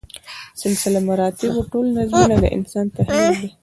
سلسله مراتبو ټول نظمونه د انسان تخیل دی.